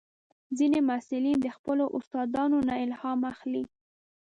ځینې محصلین د خپلو استادانو نه الهام اخلي.